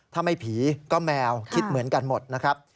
ถ้าไม่ผีก็แมวคิดเหมือนกันหมดนะครับ